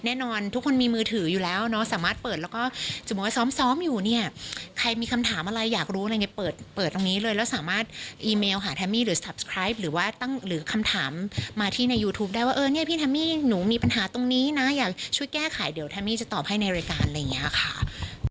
ยูทูปได้ว่าพี่แทมนีหนูมีปัญหาตรงนี้นะอยากช่วยแก้ไขเดี๋ยวแทมนีจะตอบให้ในรายการ